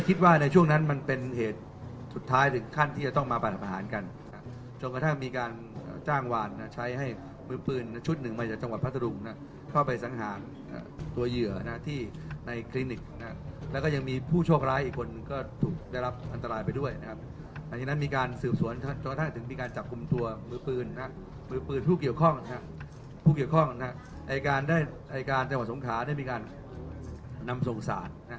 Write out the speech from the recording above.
ผู้สามารถที่เป็นผู้สามารถที่เป็นผู้สามารถที่เป็นผู้สามารถที่เป็นผู้สามารถที่เป็นผู้สามารถที่เป็นผู้สามารถที่เป็นผู้สามารถที่เป็นผู้สามารถที่เป็นผู้สามารถที่เป็นผู้สามารถที่เป็นผู้สามารถที่เป็นผู้สามารถที่เป็นผู้สามารถที่เป็นผู้สามารถที่เป็นผู้สามารถที่เป็นผู้สามารถที่เป็นผู้สามารถที่เป็นผู้สามา